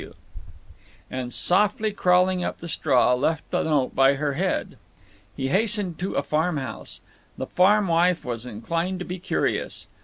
—W. W. and, softly crawling up the straw, left the note by her head. He hastened to a farm house. The farm wife was inclined to be curious.